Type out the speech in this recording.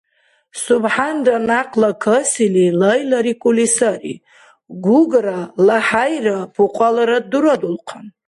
СубхӀянра някъла касили, лайларикӀули сари, Гугра, ЛахӀяйра пукьаларад дурадулхъан.